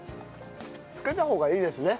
つけた方がいいですね。